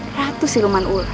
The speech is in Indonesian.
ratu siluman ular